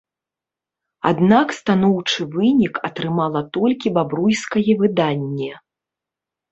Аднак станоўчы вынік атрымала толькі бабруйскае выданне.